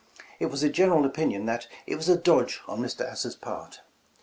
It was the general opinion that it was a dodge on Mr. Astor 's part.